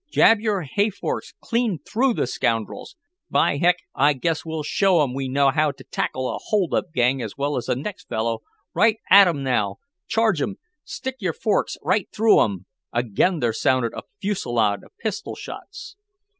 Jab your hay forks clean through the scoundrels! By Heck, I guess we'll show 'em we know how t' tackle a hold up gang as well as the next fellow! Right at 'em now! Charge 'em! Stick your forks right through 'em!" Again there sounded a fusillade of pistol shots.